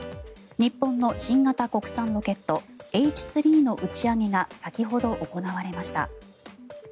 日本の新型国産ロケットＨ３の打ち上げが先ほど行われました。